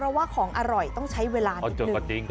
เพราะว่าของอร่อยต้องใช้เวลานิดหนึ่ง